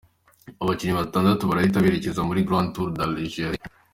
Abakinnyi batandatu barahita berekeza muri Grand Tour d’Algerie.